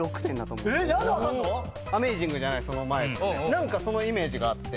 何かそのイメージがあって。